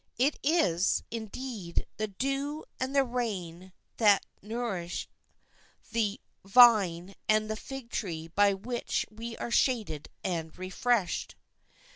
It is, indeed, the dew and the rain that nourish the vine and the fig tree by which we are shaded and refreshed.